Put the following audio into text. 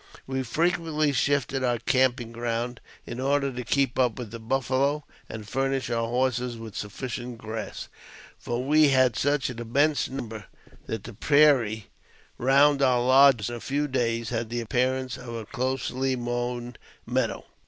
We frequently shifted our camping ground, in order to keep u^ with the buffalo and furnish our horses with sufficient ^rass, for we had such an immense number [that the prairie 176 AUTOBIOGBAPHY OF selv^ '1 round our lodges in a few days had the appearance of a closely mown meadow.